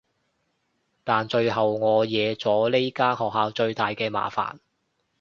但最後我惹咗呢間學校最大嘅麻煩